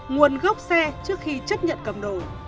nguồn gốc xe trước khi chấp nhận cầm đồ